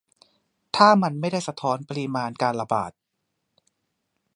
ถ้ามันไม่ได้สะท้อนปริมาณการระบาด